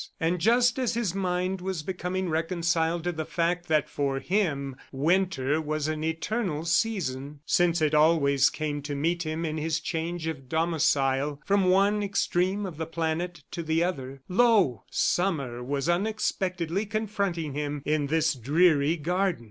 And just as his mind was becoming reconciled to the fact that for him Winter was an eternal season since it always came to meet him in his change of domicile from one extreme of the planet to the other lo, Summer was unexpectedly confronting him in this dreary garden!